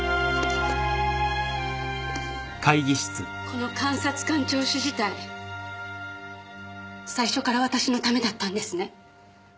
この監察官聴取自体最初から私のためだったんですね。